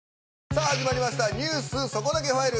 さあ始まりました「ニュースそこだけファイル」